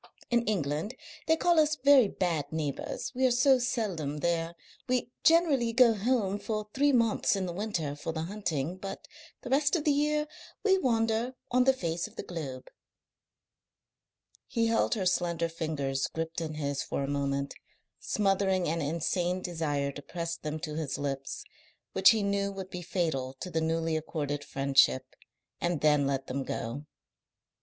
In England they call us very bad neighbours, we are so seldom there. We generally go home for three months in the winter for the hunting, but the rest of the year we wander on the face of the globe." He held her slender fingers gripped in his for a moment, smothering an insane desire to press them to his lips, which he knew would be fatal to the newly accorded friendship, and then let them go.